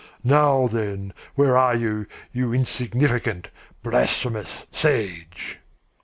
Now, then, where are you, you insignificant, blasphemous sage?"